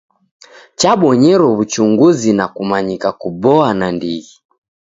Chabonyero w'uchunguzi na kumanyika kuboa nandighi.